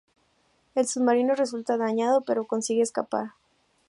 El submarino resulta dañado pero consigue escapar.